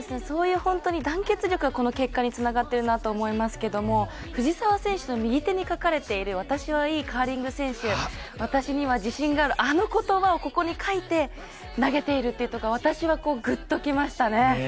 そういう団結力がこの結果につながっているなと思いますけど藤澤選手の右手に書かれている、私はいいカーリング選手、私には自信がある、あの言葉を書いて、投げているというところが私はグッときましたね。